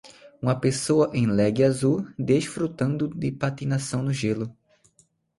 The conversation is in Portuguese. Uma pessoa em legging azul desfrutando de patinação no gelo.